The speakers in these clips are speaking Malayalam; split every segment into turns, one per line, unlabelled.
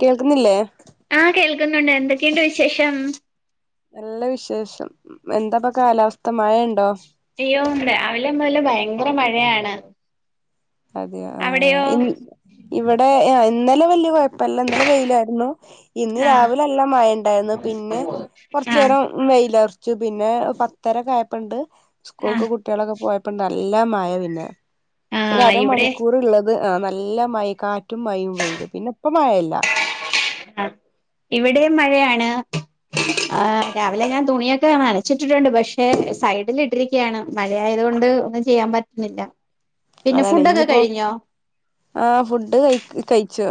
കേൾക്കുന്നില്ലേ
ആഹ കേൾക്ക്ന്നുണ്ട് എന്തൊക്കെണ്ട് വിശേഷം
നല്ല വിശേഷം എന്താപ്പൊ കാലാവസ്ഥ മഴ ഇണ്ടോ
അയ്യോ ഇടെ രാവ് ലെ മുതല് ഭയങ്കര മഴയാണ്
അതെ ആഹ
അവിടെയോ
ഇനി ഇവിടെ ഇന്നലെ വല്യ കുഴപ്പല്ല ഇന്നലെ വെയിലായിരുന്നു ഇന്ന്
ആഹ്
രാവിലെ അല്ല മഴ ഉണ്ടായിന്നു പിന്നെ
ആഹ്
കൊറച്ചേരം വെയില പിന്നെ പത്തരൊക്കെ ആയപ്പ ഉണ്ട് സ്കൂൾക്ക്
ആഹ്
കുട്ട്യാളൊക്കെ പോയപ്പണ്ട് നല്ല മയ പിന്നെ ഒരു
ആഹ്
അര
ഇവിടെ
മണിക്കൂർ ഇള്ളത് ആ നല്ല മയിം കാറ്റും മയ്യും പെയ്ത് പിന്നെ ഇപ്പ മയല്ല
ഇവിടെം മഴയാണ് ആ് രാവിലെ ഞാൻ തുണിയൊക്കെ നനച്ചിട്ടിട്ടുണ്ട് പക്ഷെ സൈഡിൽ ഇട്ട ക്കാണ് മഴ ആയത്കൊണ്ട് ഒന്നും ചെയ്യാൻ പറ്റ്ന്നില്ല
അതാണ് ഇനിയിപ്പോ ആ ഫുഡ് കയി കയിച്ചു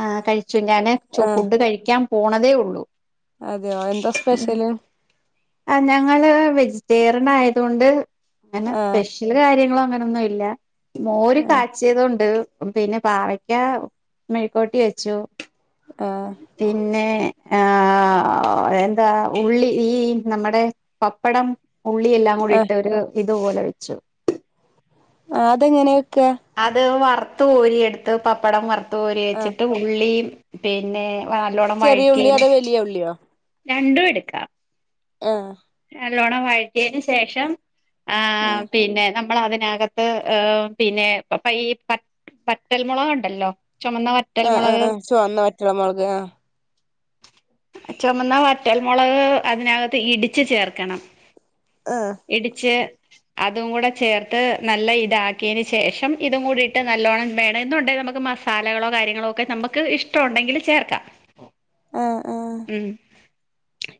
ആ കഴിച്ചു ഞാന് ഫുഡ് കഴിക്കാൻ പോണതേ ഒള്ളൂ
അതെയോ എന്താ സ്പെഷ്യല്
ആ ഞങ്ങള് വെജിറ്റേറിയൻ ആയതോണ്ട് അങ്ങനെ
ആ
സ്പെഷൽ കാര്യങ്ങളും അങ്ങനെയൊന്നും ഇല്ല മോര്
ആ
കാച്ചിയതൊണ്ട് പിന്നെ പാവക്ക മെഴിക്കോട്ടി വെച്ചു
ആഹ
പിന്നെ ആഹ ആ എന്താ ഉള്ളി ഈ നമ്മടെ പപ്പടം ഉള്ളിയെല്ലാം
ആ
മൂടിട്ടൊരു ഇതുപോലെ വെച്ചു
ആഹ് അതെങ്ങനെയൊക്കെ
അത് വറുത്തകോരിയ എടുത്ത് പപ്പടം വറുത്ത് കോരി
ആ
വെച്ചിട്ട് ഉള്ളിയും പിന്നെ നല്ലോണം
ചെറിയ ഉള്ളിയോ
വഴക്കീന്
അതോ വലിയ ഉള്ളിയോ
രണ്ടും എടുക്കാ
ഉം
നലോണം വഴറ്റിയതിനന് ശേഷം ആ പിന്നെ നമ്മൾ അതിനകത്ത് പിന്നെപ്പ ഈ പറ്റൽമുളക ഉണ്ടല്ലോ ചുമന്ന വറ്റ
ആഹ് ആഹ് ചുവന്നാ വറ്റൽ മുളക് ആഹ്
ചുമന്ന വറ്റൽമുളക് അതിനകത്ത് ഇടി ഇച്ച് ചേർക്കണം.
ആ
ഇടിച്ച് അതും കൂടെ ചേർത്ത്, നല്ല ഇതാക്കിയേന് ശേഷം ഇതും കൂടിട്ട് നല്ലോണം വേണേന്നുണ്ടെ, നമ്മക്ക് മസ് മാസാലകളോ കാര്യങ്ങളൊക്കെ നമ്മക്ക് ഇഷ്ട്ടോണ്ടെങ്കില് ചേർക്കാ.
ആ ആ
ഉം,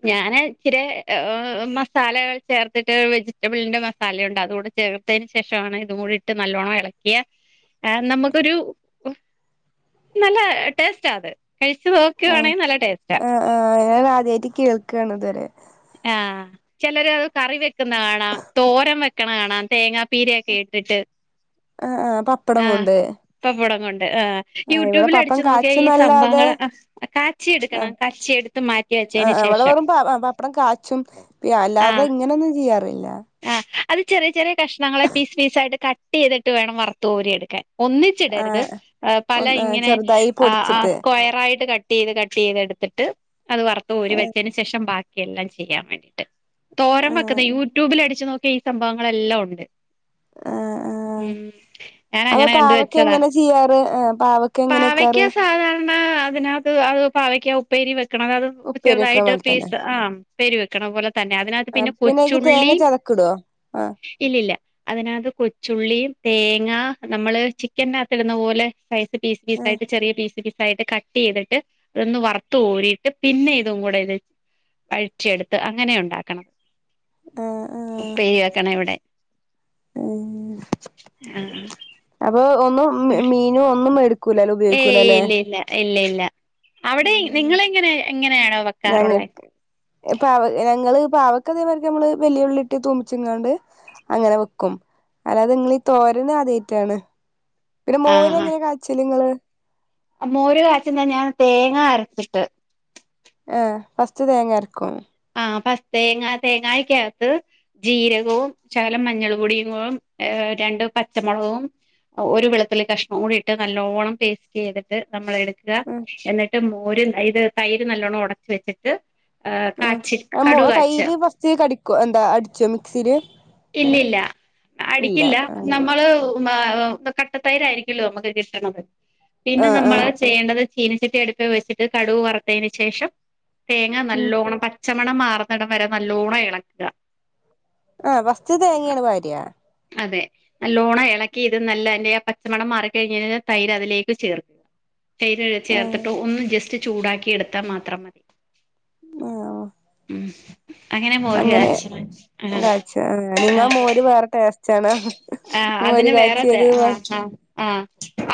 ഞാനേ ഇച്ചിരെ ഏഹ, ഏ മസാലകൾ ചേർത്തിട്ട് വെജിറ്റബിൾൻ്റെ മസാലയുണ്ട്, അതുകൂടെ ചേർത്തയ്ന് ശേഷാണ് ഇതുംകൂടി ട്ട് നല്ലോണം എളക്കിയാ ആഹ് നമ്മ്ക്കൊരു, നല്ല ടേസ്റ്റാ അത് കഴിച്ചു നോക്കുവാണേം നല്ല ടേസ്റ്റാ
ആഹ്, ഞങ്ങളാദ്യയിറ്റ് കേൾക്കാണ് ഇത്‌വരെ
ആഹ്, ചെലരഅത് കറി വെക്ക്ന്ന കാണാം, തോരം വെക്കണ കാണാം തേങ്ങ പീരയൊക്കെ ഇട്ട്ട്ട്
ആ ആ പപ്പടം
ആഹ്,
കൊണ്ട്
പപ്പടം കൊണ്ട് ആഹ്
ആ ഇവിടെ
യൂട്യൂബില്
പപ്പടം
അടിച്ചു നോക്കിയ ഈ
കാച്ചുംന്നല്ലാതെ
സംഭവങ്ങള് ആഹ്, കാച്ചിയെടുക്കണാ, കാച്ചിയെട്ത്ത് മാറ്റി വെച്ചയ്‌നേഷ
നമ്മള് വെറും പാ വ വപ്പടം കാച്ചും. പി അല്ലാതെ
ആഹ്
ഇങ്ങനൊന്നും ചെയ്യാറില്ല
ആഹ്, അത് ചെറിയേ ചെറിയേ കഷ്ണങ്ങളെ പീസ് പീസ് ആയിട്ട് കട്ടെയ്തിട്ട് വേണം വറത്തു കോരിയെടുക്കാൻ
ആ
ഒന്നിച്ചിടര്ത് ഹേ, പല
ഒന്ന്
ഇങ്ങനെ
ചെറുതായി
ആഹ് ആ
പൊടിച്ചിട്ട്
സ്ക്വയറായിട്ട് കട്ടെയ്ത് കട്ടെയ്ത് എട്ത്ത്ട്ട് അത് വറത്ത് കോരി വെച്ചെയ്ന് ശേഷം ബാക്കിയെല്ലം ചെയ്യാൻ വേണ്ടിട്ട്. തോരം
ആ
വെക്ക്ന്ന യൂ യൂട്യൂബിലടിച്ച് നോക്കിയ ഈ സംഭവങ്ങളെല്ലം ഉണ്ട്
ആ ആ
ഉം,
അപ്പൊ
ഞാനങ്ങനെ കണ്ട്
പാവക്ക
വെച്ചതാ.
എങ്ങനെ ചെയ്യാറ് ആ പാവക്ക എങ്ങനെ വെക്കാറ്
പാവക്ക സാധാര ണ അതിനകത്ത് അഹ് പാവക്ക ഉപ്പേരി വെക്ക്ണത. അത്
ഉപ്പേരി വെക്കണ
ചെറ്തായിട്ട്
പോലെ തന്നെ
പേസ് ആഹ്, ഇപ്പേരിവെക്കണ പോലെ തന്നെ. അതിനകത്ത്
ആ
പിന്നെ
അയ്ക്ക് തേങ്ങ
കൊച്ചുള്ളി
ചെതക്കിടോ ആ
ഇല്ലില്ല. അതിനകത്ത് കൊച്ചുള്ളിയും തേങ്ങ നമ്മള് ചിക്കന്നകത്തിടുന്നപോലെ സൈസ് പീസ്
ആ
പീസായിട്ട് ചെറിയ പീസ് പീസായിട്ട് കട്ട് ട്ടെയ്തിട്ട് അതൊന്ന് വറത്ത് ഓരീട്ട് പിന്നെ ഇതും കൂടെ ഇത് വയറ്റിയെട്ത്ത് അങ്ങനെ ഉണ്ടാക്കണം
ആ
ഉപ്പേരി വെക്കണ ഇവിടെ ആഹ് ആഹ്
അപ്പോ ഒന്നും മ് മീനും ഒന്നും മേട്
ഏയ്, ഇല്ല ഇല്ല ഇല്ല ഇല്ല അവടെ നിങ്ങളെങ്ങനെ എങ്ങനെയാണോ വെ
ഞങ്ങക്ക് ഇപ്പാവ ഞങ്ങള് പാവക്ക തേമാര്ക്ക് നമ്മള് വലിയ ഉള്ളിട്ട് തൂമിച്ച്ങ്ങാണ്ട് അങ്ങനെ വെക്കും. അല്ലാതെ ഇങ്ങളീ തോരന് അതേറ്റാണ് പിന്നെ മോര്
ആഹ്
എങ്ങനെ കാച്ചല് ഇങ്ങള്
മോര് കാച്ചുന്നത് ഞാൻ തേങ്ങ അരച്ച്ട്ട്
ആഹ് ഫസ്റ്റ് തേങ്ങരക്കും
ആഹ്. പസ് തേങ്ങാ തേങ്ങായിക്കകത്ത് ജീരകവും ശകലം മഞ്ഞള്പൊടിയും ഉം രണ്ട് പച്ചമൊളകും ഒരു വെളുത്തുള്ളി കഷ്ണം കൂടിയിട്ട് നല്ലോണം പേസ്റ്റെയ്തിട്ട് നമ്മളെടു ക്കാ.
ഉം
എന്ന്ട്ട് മോരും തൈര് തൈര് നല്ലോണം ഒടച്ച് വെച്ച്ട്ട് അഹ്
ആഹ്, നമ്മോ തൈര് ഫസ്റ്റ് കടിക്കോ, എന്താ അടിച്ചോ മിക്സീല്
ഇല്ലില്ല. അടിക്കില്ല നമ്മള് ഉമാ ഹ് കട്ടത്തൈരായിരിക്കുല്ലോ നമ്മക്ക് കിട്ട്ണത് പിന്നെ
ആ ആ
നമ്മള് ചെയ്യേണ്ടത് ചീനച്ചട്ടി അടുപ്പ് വെച്ച്ട്ട് കടുവ് വറുത്തെയ്ന് ശേഷം തേങ്ങ
ഉം
നല്ലോണം പ പച്ചമണം മാറ്ന്നിടം വരെ നല്ലോണം എളക്കാ
ആഹ്, വസ്റ്റ് തേങ്ങേണ് വാര്യ
അതെ, നല്ലോണം എളക്കി ഇത് നല്ലയിന്റെ ആ പ ച്ചമണം മാറിക്കെയ്ഞ്ഞെയ്ഞ്ഞ തൈര് അതിലേക്ക് ചേർക്ക. തൈര്
ആഹ്
ചേർത്തിട്ട് ഒന്ന് ജെസ്റ്റ് [unintelligible] ചൂടാക്കി എട്ത്താ മാത്രം മതി
ആഹ്
ഉം മോര്
അങ്ങനെ
കാച്ചണം ആഹ്
കയ്ച്ച നിങ്ങ
ആഹ്
മോര് വേറെ ടേസ്റ്റ ആണ
ആഹ് അതിന് വേറെ ആഹ് ആഹ് ആഹ്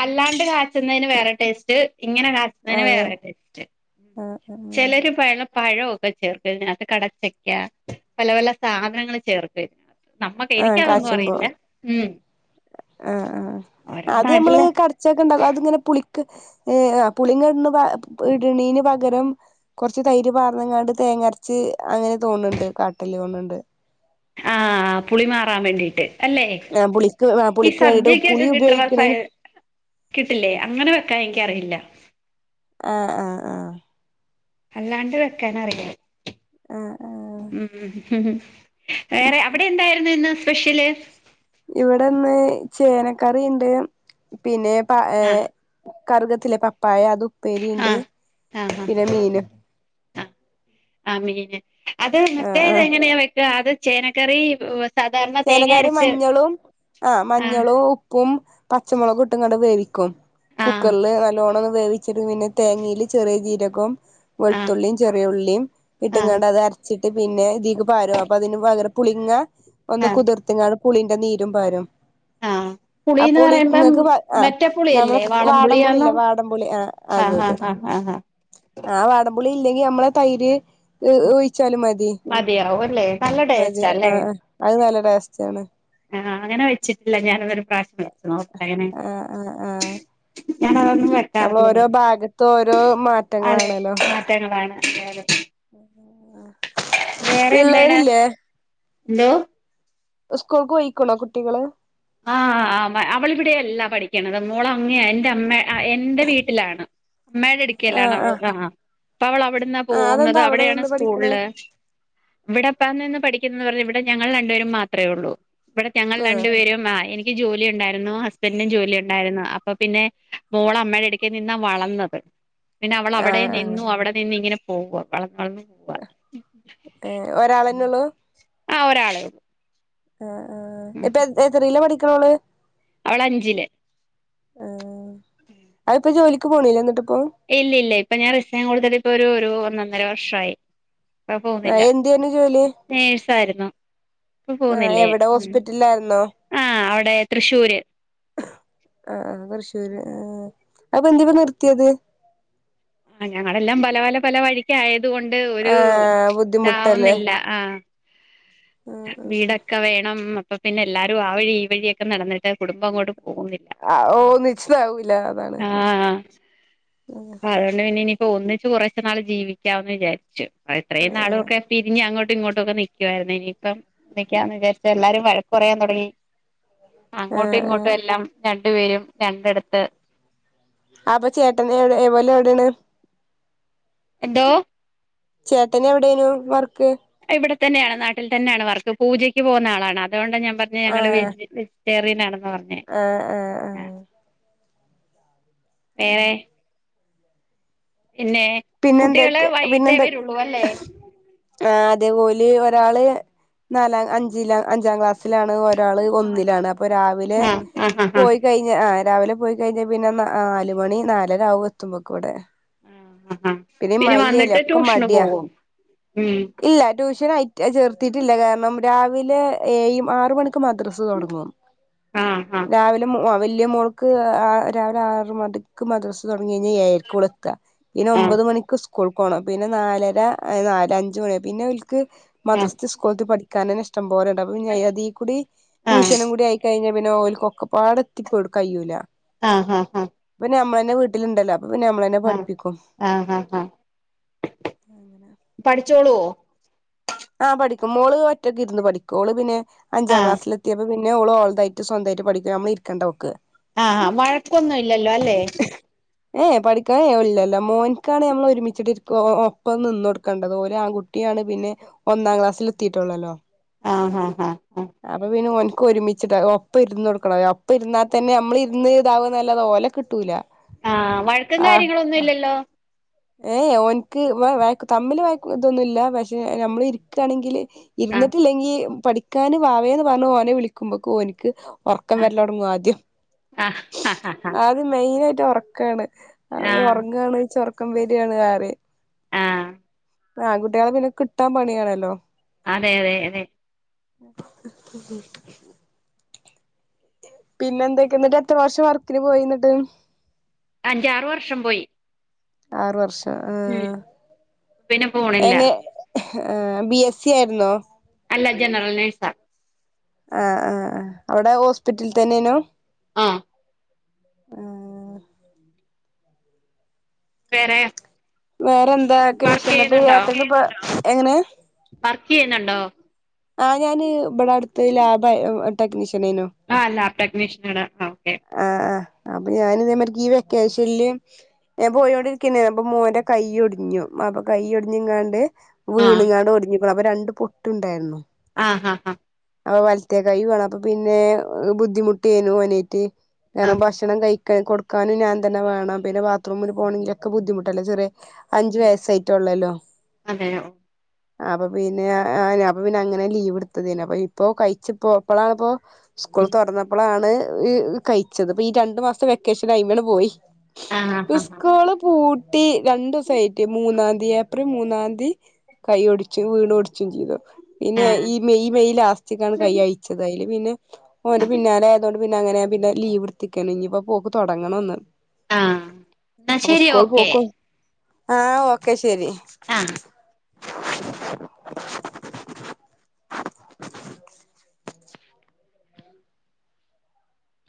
അല്ലാണ്ട് കാ ന്നതിന് വേറെ ടേസ്റ്റ് ഇങ്ങനെ കാച്ചുന്നതിന്
ആഹ്
വേറെ ടേസ്റ്റ്
ആഹ്
ചെലര് പയ്നാപ്പിൾ പഴൊക്കെ ചേർക്കതിനകത്ത് കടച്ചക്ക പല പല സാധനങ്ങൾ ചേർത്ത് നമ്മക്ക് എനിക്കതൊന്നും അറിഞ്ഞു
വോ ആഹ് ആഹ്
ഓരോ
അത് നമ്മൾ
നാട്ടിലെ
കട ച്ചതുണ്ടല്ലോ അതിങ്ങനെ പുളിക്ക് ഏങ് പുളി ഇട ഇടണിന് പകരം കൊറച്ച് തൈര് പാങ്ങാണ്ട് തേങ്ങരച്ച് അങ്ങനെ തോന്നുന്നുണ്ട് കാട്ടിൽ തോന്നുന്നണ്ട്
ആഹ് പുളി മാറാൻ വേണ്ടിട്ട് അല്ലേ
ആഹ് പുളിക്ക് ആഹ്
ഈ
പുളിക്ക് വേണ്ടിട്ട്
സദ്യക്കൊക്കെ
പുളി
കിട്ടണ സ
ഉപയോഗിക്കണേന്
കിട്ടില്ലേ അങ്ങനെ വെക്കാൻ എനിക്കറില്ല
ആഹ് അഹ് അഹ്
അല്ലാണ്ട് വെക്കൻ അറിയാം
ആഹ് ആഹ്
ഉം ഉം ഉം വേറെ അവിടെ എന്തായിരുന്നു ഇന്ന് സ്പെഷ്യൽ
ഇവിടെ ഇന്ന് ചേനക്കറിണ്ട് പിന്നെ പ ഏയ്
ആഹ്
കറുകത്തില്ലേ പപ്പായ അത് ഉപ്പേരി ഇണ്ട്
ആഹ് ആഹ്
പിന്നെ മീന്
ആഹ് ആഹ് മീന് അത്
ആ ആ
മറ്റേത് എങ്ങനെയാ വെക്യാ അത് ചേനക്കറി സാധാരണ തേങ്ങ
ചേനക്കറി
അരച്ച്
മഞ്ഞളും ആഹ് മഞ്ഞളും ഉ പ്പും പച്ചമുളക് ഇട്ടുംങ്ങണ്ട് വേവിക്കും
ആഹ്
കുക്കറിൽ നല്ലോണ്ണം ഒന്ന് വേവി ചെറ പിന്നെ തേങ്ങൽ ചെറിയ ജീരകവും
ആഹ്
വെളുത്തുള്ളിയും ചെറിയ ഉള്ളിയും
ആഹ്
കിട്ടുംങ്ങാണ്ട അത് അരച്ചിട്ട് പിന്നെ ഇതിക്ക് പാര അപ്പൊ അതിന് ഭയര പുളിങ്ങ ഒന്ന്
ആഹ്
കുതിർത്തിങ്ങണ്ട് പുളിന്റെ നീരും പാരും
ആഹ്
ആ
പുളിന്ന്
പുളി
പറയുമ്പം
ഇങ്ങക്ക് ആ
മറ്റേ
നമ്മള്
പുളിയല്ലേ വാളംപുളിയാന്നോ
വാടംപുളില്ലേ വാടംപുളി ആ അത്
ആഹ്
അത്
അഹ് അഹ്
ആ വാടപുളി ഇല്ലെങ്കി നമ്മളെ തൈര് ഒഴിച്ചാലും മതി
മതിയാവും അല്ലേ നല്ല
മതി ആ
ടേസ്റ്റ്ല്ലേ
ആ അത് നല്ല ടേസ്റ്റ് ആണ്
ആഹ് അങ്ങനെ വെച്ചിട്ടില്ല ഞാാനരു പ്രാവശ്യം വെച്ചു നോക്കട്ടെ അങ്ങനെ
ആ ആ ആ
ഞാനതൊന്നും
നമ്മൾ
വെക്കാറില്ല
ഓരോ ഭാഗത്ത് ഓരോ
അതെ
മാറ്റങ്ങളാണല്ലോ
അഹ് പേങ്ങളാണ് [unintelligible]
ആഹ്
വേറെ എന്താണ് ന്തോ
ഉസ്കോൾക്ക് പോയിക്കുണോ കുട്ടികള്
ആഹ് അവളിവിടെയല്ല പഠിക്കണത് മോള അങ്ങ എൻ്റെ അമ്മ എൻ്റെ വീട്ടിലാണ് അമ്മേടെ അടുക്കൽ ആണ് അവള് ആ അപ്പ അവൾവിടെ അവിടുന്നാ
ആ
പോകുന്നത്
അതെന്താ അവിടെ
അവിടെയാണ്
നിന്ന് പഠിക്കണ
സ്കൂളില് ഇവിടെപ്പ നിന്ന് പഠിക്കുന്നത് ഇവിടെ ഞങ്ങൾ രണ്ടുപേരും മാത്രേ ഉള്ളൂ ഇവിടെ ഞങ്ങൾ
ആ
രണ്ടു പേരും ആ എനിക്ക് ജോലി ഉണ്ടായിരുന്നു ഹസ്ബെൻ്റിനും ജോലി ഉണ്ടായിരുന്നു അപ്പൊ പിന്നെ മോള അമ്മയുടെ അടുത്ത് വീട്ടിൽ നിന്നാ വളർന്നത് പിന്നെ അവൾ
ആ
അവിടെ
ആ
നിന്നു അവിടെ നിന്ന ഇങ്ങനെ പോക വളർന്ന വളർന്നു
ഏ ഒരാളന്നെള്ളൂ
ആ ഒരാളെ ഉള്ളൂ
ആ ആ ഇപ്പൊ എത്തറില്ല പഠിക്കണോള്
അവൾ അഞ്ചില്
അഹ് പോ ജോലിക്ക് പോണില്ലേ എന്നിട്ട് പ്പോ
ഇല്ല ഇല്ല ഇപ്പൊ ഞാൻ റിസയ്ൻ കൊടുത്തിട്ട് ഇപ്പൊ ഒരു ഒരു ഒന്ന ഒന്നര വർഷമായി ഇപ്പ
ആ
പോവുന്നില്ല
എന്തെയ്നു ജോലി
നേഴ്സായിരുന്നു ഇപ്പൊ
ആ
പോകുന്നില്ലേ
എവിടെ
ഉം
ഹോസ്പിറ്റലിലായിരുന്നോ
ആ അവിടെ തൃശ്ശൂര്
ആ തൃശ്ശൂര് ആ അത് ഇപ്പൊ എന്തിനാ നിർത്തിയത്
ആ ഞങ്ങളെല്ലാം പല പല പല വഴിക്ക ആയത് കൊണ്ട് ഒരു
ആഹ് ബുദ്ധിമുട്ടല്ലേ
ഇതാവുന്നില്ല ആ
ആഹ്
വീടൊക്കെ വേണം അപ്പൊ പിന്നെ എല്ലാരും ആ വഴി ഈ വഴിയൊക്കെ നടന്നിട്ട് കുടുംബം അങ്ങോട്ട് പോകുന്നില്ല
ആഹ് ആഹ് ഒന്നിച്ചതാവൂല അതാണ്
ആഹ് ഹാ അതോണ്ട് നിനി ഇപ്പൊ ഒന്നിച്ച് കുറച്ചു നാൾ ജീവിക്കാവന്ന് വിചാരിച്ചു അ ഇത്രയും
ആഹ്
നാളൊക്കെ പിരിഞ്ഞ് അങ്ങോട്ടും ഇങ്ങോട്ടു ഒക്കെ നിക്കുവായിരുന്നു. ഇനിയിപ്പം എന്തക്കാന്ന് വിചാരിച്ച എല്ലാരും വഴക്കു പറയാൻ തുടങ്ങി അങ്ങോട്ടും
ആഹ്
ഇങ്ങോട്ടും
ആഹ്
എല്ലാം രണ്ടുപേരും രണ്ടിടത്ത്
അപ്പൊ ചേട്ടൻ്റെ എടെ എവലൊ ടെണ്
എന്തോ
ചേട്ടന് എവിടെനു വർക്ക്
ഇവിടെത്തന്നെയാണ് നാട്ടിൽ തന്നെയാണ് വർക്ക്. പൂജക്ക് പോകുന്ന ആളാണ്. അതുകൊണ്ട ഞാൻ പറഞ്ഞ ഞങ്ങള് വെ
ആഹ്
ജിറ്റേറിയനാണെന്ന് പറഞ്ഞ
ആഹ് ആഹ് ആഹ്
വേറെ പിന്നെ കുട്ടികള്
പിന്നെന്തൊക്കെ
വൈകിട്ടേ
പിന്നെന്തൊ
വരുള്ളൂ അല്ലേ
ആ അതേ, ഓൽ ഒരാൾ നാലാം അഞ്ചിലാ. അഞ്ചാം ക്ലാസ് സിലാണ് ഒരാൾ ഒന്നിലാണ്. അപ്പോ രാവിലെ
ആഹ് ആഹ് ആഹ് ആഹ്
പോയി കഴിഞ്ഞ ആ രാവിലെ പോയിക്കഴിഞ്ഞാൽ പിന്നെ നാലുമണി നാലരാവും എത്തുമ്പോക്ക് വടെ
ആ ആ പിന്നെ വന്നിട്ട്
ഒക്കെ
ട്യൂഷന്
മടിയാ
പോകും. ഉം
ഇല്ല ട്യൂഷൻ ആയിറ്റ ചേർത്തിട്ടില്ല. കാരണം രാവിലെ ഏഴ് ആറ് മണി ക്ക് മദ്രസ് തുടങ്ങും
ആഹ് ആഹ്
രാവിലെ എൻ്റെ വലിയ മോൾക്ക് ആ രാവിലെ ആറ് മണിക്ക് മദ്റസ് തൊട്ങ്ങി കഴിഞ്ഞ ഏഴര്ക്ക് ഇവിടെ എത്ത പിന്നെ ഒമ്പത്
ആഹ്
മണിക്ക് സ്കൂൾക്കോണം. പിന്നെ നാലര ന ലഞ്ച് പിന്നെ ഓൽക്ക്
ആഹ്
മദ്രസ്ത്തെ സ്കൂൾത്ത പഠി ക്കാനന്നെ ഇഷ്ടം പോലെണ്ട്. അപ്പം പിന്നെ, അധി കൂടി ട്യൂഷനും കൂടി ആയി കഴിഞ്ഞ പിന്നെ ഓൽക്ക് ഒക്കെപ്പാടെ എത്തിപ്പോട് കയ്യൂല.
ആഹ് ഹ ഹ
ഇപ്പം ഞമ്മളന്നെ വീട്ടിൽ ഉണ്ടല്ലോ അപ്പൊ പിന്നെ നമ്മളെന്നെ
ആഹ്
പഠിപ്പിക്കും.
ആഹ് ആഹ്
അങ്ങനെ
പഠിച്ചോളൂ
ആ പഠിക്കും. മോള് ഒറ്റക്ക് ഇര്ന്ന് പഠിക്കും. മോള് പിന്നെ അഞ്ചാം
ആഹ്
ക്ലാസ്സിൽ എ ത്തി അപ്പൊ പിന്നെ ഓള് തായിട്ട് സ്വന്തായിട്ട് പഠിക്കും. ണമ്മള് ഇരിക്കണ്ട ഓൾക്ക്
ആഹ് ആ വഴക്കൊന്നും ഇല്ലല്ലോ അല്ലേ?
ഏ എ, പഠിക്കാൻ ഏ ഇല്ലല്ല മോൻക്കാണ് ഞമ്മൾ ഒരുമിച്ചിട്ട് ഇര്ക്ക് ഒപ്പം നിന്നൊടുക്കണ്ടത് ഓൽ ആൺകു കുട്ടിയാണ് പിന്നെ ഒന്നാം ക്ലാസ്സിൽ എത്തിയിട്ടുള്ളല്ലോ
ആഹ് ആഹ് ആഹ് ആഹ്
അപ്പൊ പിന്നെ ഒൻക്ക് ഒരുമിച്ചിട്ട ഒപ്പം ഇരുന്ന് കൊടുക്കണം. ഒപ്പം ഇരന്നാ തന്നെ നമ്മൾ ഇരുന്ന് ഇതാവാ ന്നല്ലാതെ ഓലെ കിട്ടൂല
ആഹ് വഴക്കും കാര്യങ്ങളൊന്നും
ആഹ്
ഇല്ലല്ലോ?
ഏഹ് ഏ ഓൻക്ക് വേ വഴക്ക് തമ്മിൽ വഴക്കും ഇതൊന്നുല്ല. പക്ഷെ നമ്മള് ഇരിക്കാണെങ്കില്
ആഹ്
ഇര്ന്നിട്ടില്ലെങ്കി പഠിക്കാന് വാവേന്ന് പറഞ്ഞ് ഓനെ വിളിക്കുമ്പൊക് ഓൻക്ക് ഉറക്കം
ആഹ്
വരല്ലോട്ങ്ങും ആദ്യം
ആഹ് ആഹ് ആഹ്
ആദ്യം മെയിനായിട്ട് ഉറക്കാണ്. അത്
ആഹ്
ഉറങ്ങാണോയ്ച്ച ഉറക്കം വര്യാണ്ന്ന് പറയും
ആഹ്
ആൺ കുട്ട്യാളെ പിന്നെ കിട്ടാൻ പണിയാണല്ലോ
അതെ അതെ അതെ
[unintelligible] പിന്നെ എന്തൊക്ക എന്നിട്ട് എത്ര വർഷം വർക്കിന് പോയി എന്നിട്ട്
അഞ്ചാറ് വർഷം പോയി
ആറു വർഷം
ഉം
ആഹ്
പിന്നെ പോണില്ല
എങ്ങ ആ ബി എസ് സി ആയിരുന്നോ
അല്ല ജനറൽ നേഴ്സാ
ആഹ് ആഹ് ആഹ് അവടെ ഹോസ്പിറ്റലിൽ തന്നെനോ
ആഹ്
ആ
വേറെ
വേറെന്താക്ക്
വർക്ക്
വിഷണത്
ചെയ്യുന്നുണ്ടോ
ഏട്ടന് ഇപ്പ എങ്ങനെ
വർക്ക് ചെയ്യുന്നുണ്ടോ
ആഹ് ഞാന് ഇവടെ അടുത്ത് ലാബ് ടെക്നീഷ്യനേനു
ആഹ് ലാബ് ടെക്നീഷ്യൻ ആണ് ആഹ്
ആഹ് ആഹ് അപ്പൊ ഞാന് ഇതേമാര്ക്ക് ഈ വെക്കേഷനില് ഞാൻ പോയോണ്ടിരിക്കന്നേ അപ്പൊ മോന്റെ കൈയ്യൊടിഞ്ഞു അപ്പൊ കൈയൊടിഞ്ഞും കാണ്ട്
ആഹ്
വീണുങ്ങാണ്ട് ഒടിഞ്ഞിക്കുണു അപ്പൊ രണ്ട് പൊട്ടുണ്ടായിരുന്നു
ആഹ് ആഹ് ആഹ്
അപ്പൊ വലത്തെ കൈയ്യും ആണ് അപ്പൊ പിന്നെ ബുദ്ധിമുട്ടേനു പോവാനേറ്റ്
ആഹ്
കാരണം
ആഹ്
ഭക്ഷണം കഴി ക്കാൻ കൊടുക്കാനും ഞാൻ തന്നെ വേണം പിന്നെ ബാത്റൂമില് പോണെങ്കിലൊക്കെ ബുദ്ധിമുട്ടല്ലേ ചെറിയ അഞ്ചു വയസായിട്ടുള്ളല്ലോ
അതെയോ
അപ്പൊ പിന്നെ ആ ഞാന് അപ്പോ പ്പോ പിന്നെ അങ്ങനെ ലീവ് എടുത്തതേനു അപ്പൊ ഇപ്പോ കഴിച്ചു പോപ്പഴാണ് ഇപ്പോ സ്കൂൾ തൊറന്നപ്പഴാണ് കഴിച്ചത് അപ്പൊ ഈ രണ്ടു മാസത്തെ വെക്കേഷൻ അയിമെട് പോയി
ആഹ് ആഹ് ആഹ്
സ്കൂള് പൂട്ടി രണ്ട് ദിവസായിട്ട് മൂന്നാംതി ഏപ്രിൽ മൂന്നാന്തി കൈ ഒടിച്ചു വീണ് ഒടിച്ചും ചെയ്തു പിന്നെ
ആഹ്
ഈ മെയ് മെയ് ലാസ്റ്റക്കാണ് കൈ അയ് ച്ചത് അയില് പിന്നെ ഓന്റെ പിന്നാലെ ആയതോണ്ട് പിന്നെ അങ്ങനെ പിന്നെ ലീവ് ഇടുത്തിക്കേണ് ഇഞ്പ്പോ പോക്ക് തൊടങ്ങണൊന്ന്
ആഹ് എന്നാ
അപ്പൊ
ശരി
സ്കൂള്
ഓക്കെ
പോക്കും ആഹ് ഓക്കെ ശരി
ആഹ്